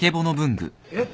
えっ？